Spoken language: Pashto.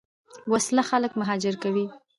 وسله خلک مهاجر کوي